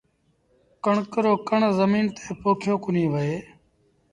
ڪڻڪ رو ڪڻ زميݩ تي پوکيو ڪونهي وهي